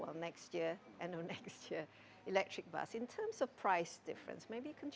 dalam hal perbedaan harga mungkin anda bisa berbagi sedikit tentang berapa banyak